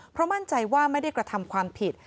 เพราะมั่นใจว่าไม่ได้กระทำความผิด